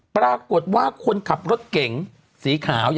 ปรากฏว่าคนขับรถเก๋งสีขาว